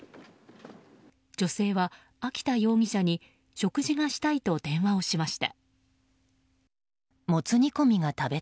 女性は秋田容疑者に食事がしたいと電話をしました。